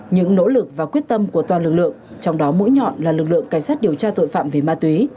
những nỗ lực và quyết tâm của toàn lực lượng trong đó mũi nhọn là lực lượng cảnh sát điều tra tội phạm về ma túy